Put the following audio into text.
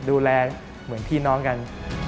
ดูแลเหมือนพี่น้องกัน